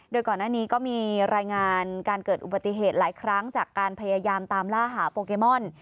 โดยก่อนหน้านี้ก็มีรายงานการเกิดอุบัติเหตุหลายครั้งจากการพยายามตามล่าหาโปเกมอน